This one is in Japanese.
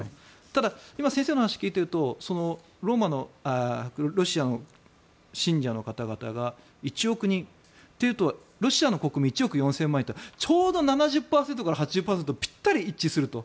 ただ、今先生のお話を聞いているとロシアの信者の方々が１億人。というと、ロシアの国民１億４０００万人いてちょうど７０％から８０％ピッタリ一致すると。